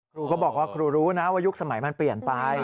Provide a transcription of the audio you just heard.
ครูก็บอกว่าครูรู้นะว่ายุคสมัยมันเปลี่ยนไป